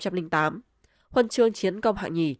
huân chương chiến công hạng hai